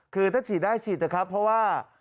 คือถ้าฉีดได้ฉีดเถอะครับเพราะว่า